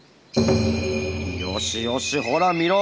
よしよしほら見ろ！